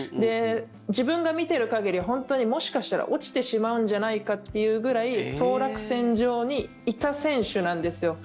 自分が見ている限りもしかしたら本当に落ちてしまうんじゃないかというくらい当落線上にいた選手なんですよ。